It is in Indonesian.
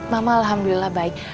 mama alhamdulillah baik